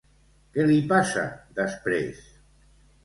Què li passa després?